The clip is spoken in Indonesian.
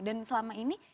dan selama ini